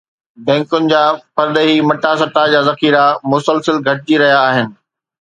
بئنڪن جا پرڏيهي مٽا سٽا جا ذخيرا مسلسل گهٽجي رهيا آهن